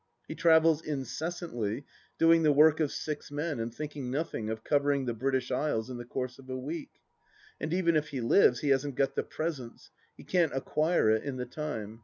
He travels incessantly, doing the work of six men and thinking nothing of covering the British Isles in the course of a week. And even if he lives, he hasn't got the presence ; he can't acquire it in the time.